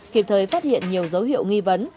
khiếp thời phát hiện nhiều dấu hiệu nghi vấn